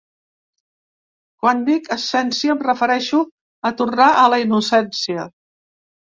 Quan dic ‘essència’, em refereixo a tornar a la innocència.